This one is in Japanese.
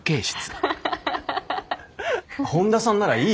本田さんならいい